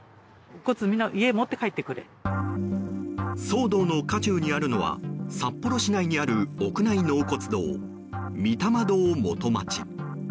騒動の渦中にあるのは札幌市内にある屋内納骨堂、御霊堂元町。